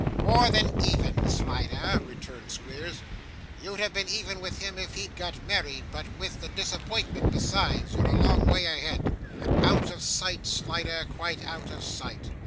'More than even, Slider,' returned Squeers; 'you'd have been even with him if he'd got married; but with the disappointment besides, you're a long way ahead. Out of sight, Slider, quite out of sight.